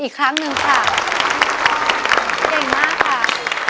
อีกครั้งหนึ่งค่ะเก่งมากค่ะ